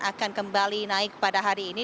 akan kembali naik pada hari ini